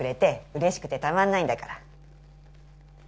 嬉しくてたまんないんだから